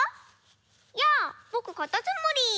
やあぼくかたつむり！